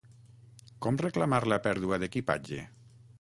Com reclamar la pèrdua de l'equipatge?